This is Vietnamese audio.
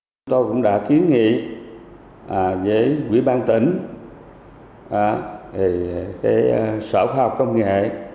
chúng tôi cũng đã kiến nghị với quỹ ban tỉnh sở khoa học công nghệ